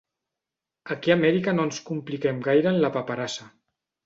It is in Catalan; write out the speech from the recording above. Aquí a Amèrica no ens compliquem gaire en la paperassa.